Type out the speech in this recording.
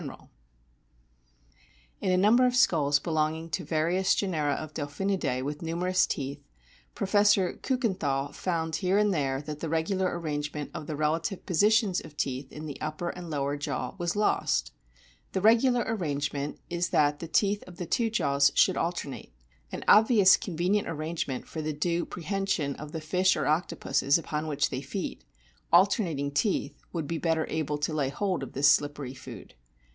SOME INTERNAL STRUCTURES 73 In a number of skulls belonging to various genera of Delphinidae with numerous teeth, Professor Kiiken thal found here and there that the regular arrangement of the relative positions of teeth in the upper and in the lower jaw was lost. The regular arrangement is that the teeth of the two jaws should alternate an obviously convenient arrangement for the due pre hension of the fish or octopuses upon which they feed ; alternating teeth would be better able to lay hold of this slippery food.